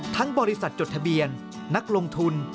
บริษัทจดทะเบียนนักลงทุน